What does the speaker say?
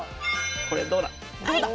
これでどうだ？